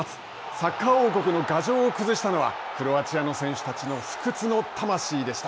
サッカー王国の牙城を崩したのはクロアチアの選手たちの不屈の魂でした。